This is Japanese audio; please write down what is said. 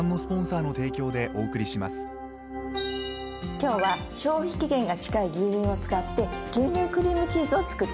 今日は消費期限が近い牛乳を使って牛乳クリームチーズを作っていきます。